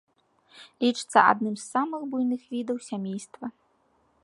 Лічыцца адным з самых буйных відаў сямейства.